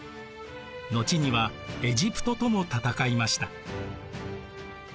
後にはエジプトとも戦いました。